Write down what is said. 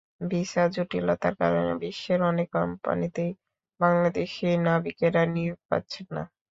Visa জটিলতার কারণে বিশ্বের অনেক কোম্পানিতেই বাংলাদেশি নাবিকেরা নিয়োগ পাচ্ছেন না।